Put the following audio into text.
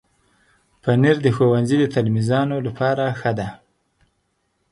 پنېر د ښوونځي د تلمیذانو لپاره ښه ده.